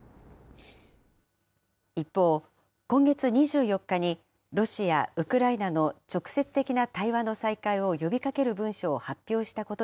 一方、今月２４日にロシア、ウクライナの直接的な対話の再開を呼びかける文書を発表したこと